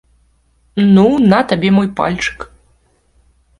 Ну, на табе мой пальчык.